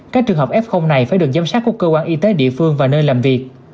các trường hợp f này phải được giám sát của cơ quan y tế địa phương và nơi làm việc